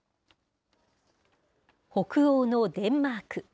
北欧のデンマーク。